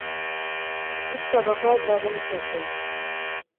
• ټولنیز طبقات رامنځته شول